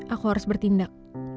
aku harus bertindak